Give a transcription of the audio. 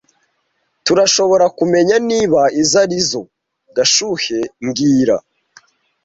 Turashoborakumenya niba izoi ari Gashuhe mbwira